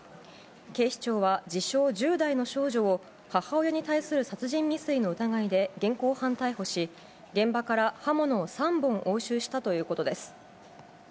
警視庁は自称１０代の少女を、母親に対する殺人未遂の疑いで現行犯逮捕し、現場から刃物を３本押収したということです。